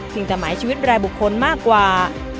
ถึงแต่หมายชีวิตรายบุคคลมากกว่า